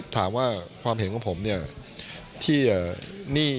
ถามว่าความเห็นของผมที่